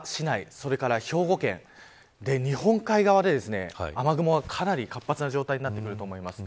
それから兵庫県日本海側で、雨雲がかなり活発な状態になってくると思います。